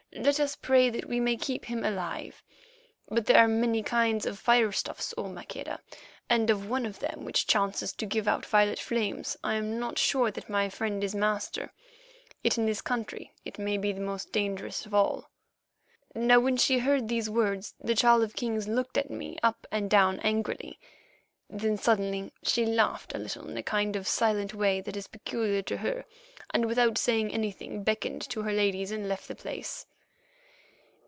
"Let us pray that we may keep him alive. But there are many kinds of firestuffs, O Maqueda, and of one of them which chances to give out violet flames I am not sure that my friend is master. Yet in this country it may be the most dangerous of all." Now when she heard these words the Child of Kings looked me up and down angrily. Then suddenly she laughed a little in a kind of silent way that is peculiar to her, and, without saying anything, beckoned to her ladies and left the place.